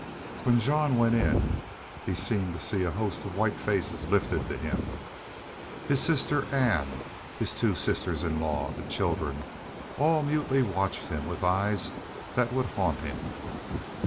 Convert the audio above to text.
When Jean went in he seemed to see a host of white faces lifted to him. His sister Ann, his two sisters in law, the children, all mutely watched him with eyes that would haunt him.